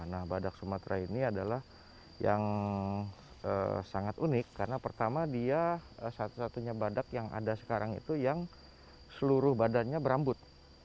nah badak sumatera ini adalah yang sangat unik karena pertama dia satu satunya badak yang ada sekarang itu yang seluruh badannya berambut